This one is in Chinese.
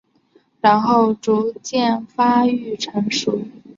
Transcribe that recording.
然后逐渐发育成熟。